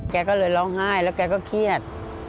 แกก็เลยร้องไห้แล้วแกก็เครียด